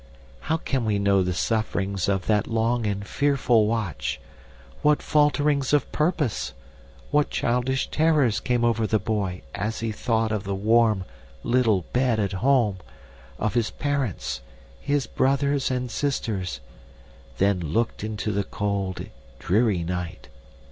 "How can we know the sufferings of that long and fearful watch what falterings of purpose, what childish terrors came over the boy as he thought of the warm little bed at home, of his parents, his brothers and sisters, then looked into the cold, dreary night!